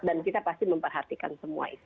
dan kita pasti memperhatikan semua itu